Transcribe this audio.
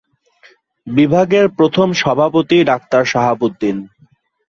বিভাগের প্রথম সভাপতি ডাক্তার শাহাবুদ্দিন।